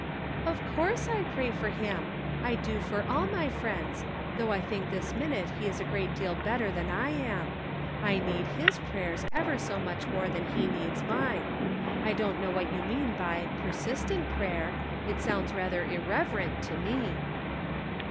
" Of course I pray for him ; I do for all my friends, though I think this minute he is a great deal better than I am ; I need his prayers ever so much more than he needs mine. I don't know what you mean by 'persistent prayer.' It sounds rather irreverent to me."